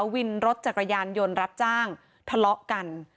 วินรถจักรยานยนต์รับจ้างทะเลาะกัน